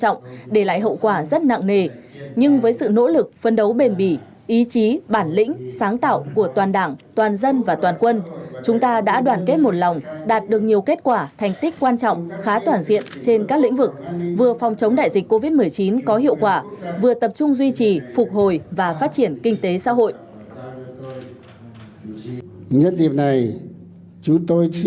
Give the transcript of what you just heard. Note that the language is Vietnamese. nhưng với sự nỗ lực phân đấu bền bỉ ý chí bản lĩnh sáng tạo của toàn đảng toàn dân và toàn quân chúng ta đã đoàn kết một lòng đạt được nhiều kết quả thành tích quan trọng khá toàn diện trên các lĩnh vực vừa phòng chống đại dịch covid một mươi chín có hiệu quả vừa tập trung duy trì phục hồi và phát triển kinh tế xã hội